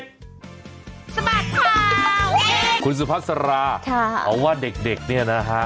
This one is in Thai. สมัดข่าวเอ็กซ์คุณสุภาษาราค่ะเขาว่าเด็กเนี่ยนะฮะ